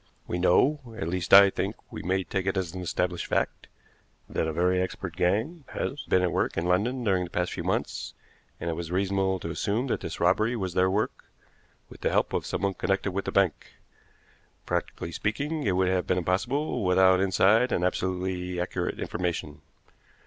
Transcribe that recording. We know at least I think we may take it as an established fact that a very expert gang has been at work in London during the past few months, and it was reasonable to assume that this robbery was their work, with the help of someone connected with the bank. Practically speaking, it would have been impossible without inside and absolutely accurate information.